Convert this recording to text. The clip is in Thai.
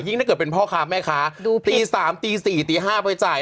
ถ้าเกิดเป็นพ่อค้าแม่ค้าตี๓ตี๔ตี๕ไปจ่าย